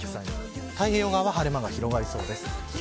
太平洋側は晴れ間が広がりそうです。